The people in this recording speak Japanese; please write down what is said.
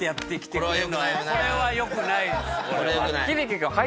これはよくないよな。